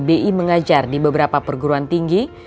bi mengajar di beberapa perguruan tinggi